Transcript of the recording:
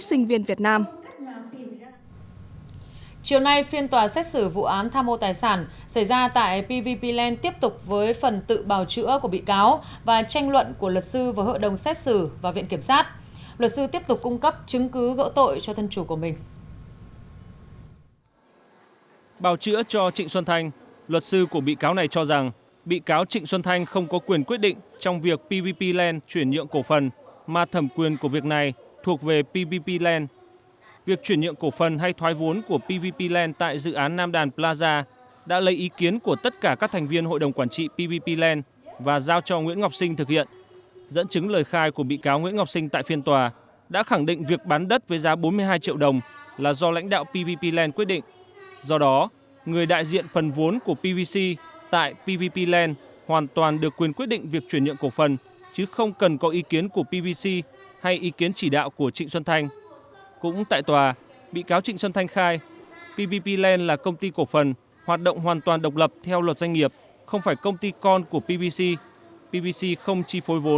sinh viên việt nam chiều nay phiên tòa xét xử vụ án tham mô tài sản xảy ra tại pvp land tiếp tục